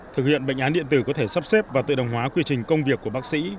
thực hiện bệnh án điện tử có thể sắp xếp và tự động hóa quy trình công việc của bác sĩ